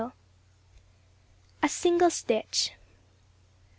19 A SINGLE STITCH.